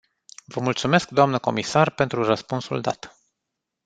Vă mulțumesc, doamnă comisar, pentru răspunsul dat.